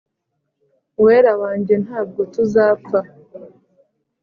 uwera wanjye’ ntabwo tuzapfa